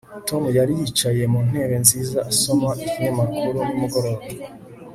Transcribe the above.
Tom yari yicaye mu ntebe nziza asoma ikinyamakuru nimugoroba